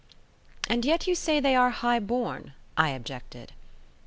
"And yet you say they are high born," I objected.